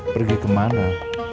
pergi ke mana